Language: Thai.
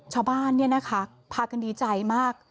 ชาวบ้านเนี่ยนะคะพากันดีใจมาก